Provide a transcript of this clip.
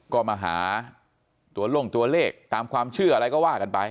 ก็มาหาตัวลงตัวเลขตามความเชื่ออะไรก็ว่ากันไป